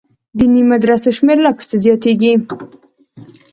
دیني مدرسو شمېر لا پسې زیاتېږي.